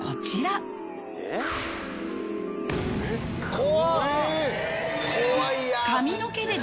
怖っ！